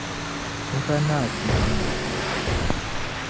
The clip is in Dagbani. M-pa naai tuma maa.